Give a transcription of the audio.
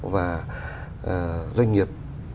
và doanh nghiệp